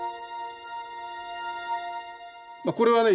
これはね